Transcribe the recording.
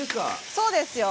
そうですよ。